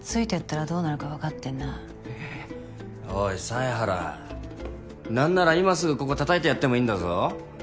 おい犀原なんなら今すぐここ叩いてやってもいいんだぞ。